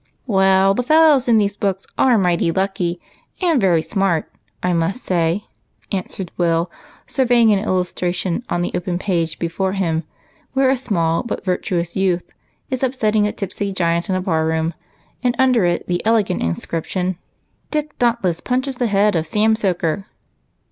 199 " Well, the fellows in these books are mighty lucky, and very smart, I must say," answered Will, surveying an illustration on the open page before him, where a small but virtuous youth is upsetting a tipsy giant in a bar room, and under it the elegant inscription :" Dick Dauntless punches the head of Sara Soaker."